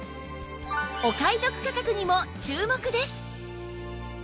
お買い得価格にも注目です！